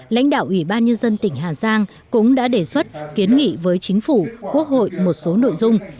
lãnh đạo ủy ban nhân dân tỉnh hà giang cũng đã đề xuất kiến nghị với chính phủ quốc hội một số nội dung